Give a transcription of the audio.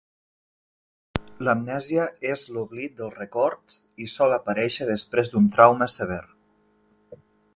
L'amnèsia és l'oblit dels records i sol aparèixer després d'un trauma sever.